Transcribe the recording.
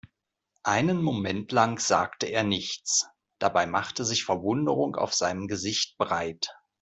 Einen Moment lang sagte er nichts, dabei machte sich Verwunderung auf seinem Gesicht breit.